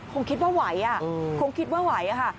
คงคิดว่าไหวคงคิดว่าไหวค่ะ